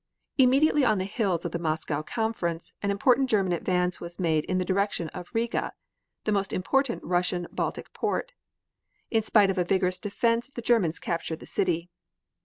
Immediately on the heels of the Moscow conference an important German advance was made in the direction of Riga, the most important Russian Baltic port. In spite of a vigorous defense the Germans captured the city.